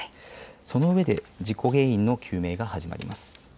そのうえで事故原因の究明が始まります。